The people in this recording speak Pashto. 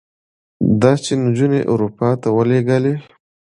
ده چې نجونې اروپا ته ولېږلې.